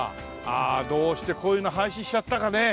ああどうしてこういうの廃止しちゃったかねえ。